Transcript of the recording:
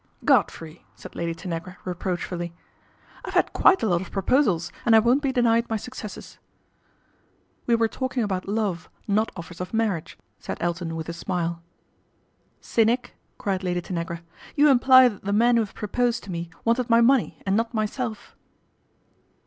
Godfrey," said Lady Tanagra reproachfully, 1 1 have had quite a lot of proposals, and I won't denied my successes." 14 We were talking about love, not offers of jrjnarriage," said Elton with a smile. Cynic," cried Lady Tanagra. "You imply :hat the men who have proposed to me wanted .pjj ny money and not myself."